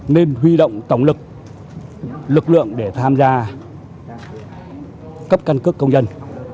nên huy động tổng lực lực lượng để tham gia cấp căn cức công dân